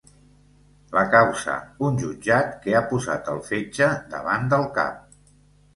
La causa, un jutjat que ha posat el fetge davant del cap.